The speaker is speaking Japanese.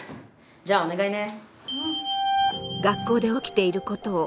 じゃあお願いね。